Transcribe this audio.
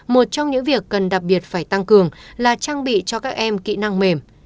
một trong những việc cần đặc biệt phải tăng cường là trang bị cho các em kỹ năng mềm